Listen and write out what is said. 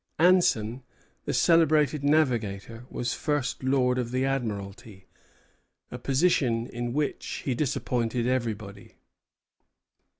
Anson, the celebrated navigator, was First Lord of the Admiralty, a position in which he disappointed everybody.